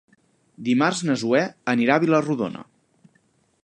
Dimarts na Zoè anirà a Vila-rodona.